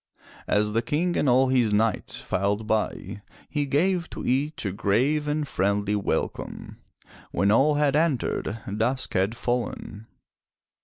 As the King and all his knights filed by, he gave to each a grave and friendly welcome. When all had entered, dusk had fallen.